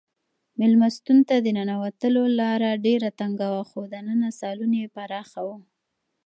مېلمستون ته د ننوتلو لاره ډېره تنګه وه خو دننه سالون یې پراخه و.